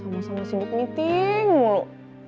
masih di meeting mulu